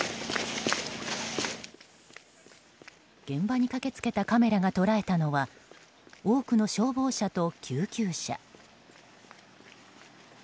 現場に駆け付けたカメラが捉えたのは多くの消防車と救急車。